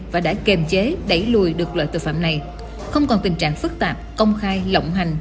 và đã kềm chế đẩy lùi được loại tội phạm này